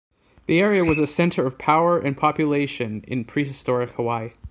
The area was a center of power and population in pre-historic Hawaii.